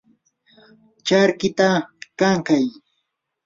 charkita kankay.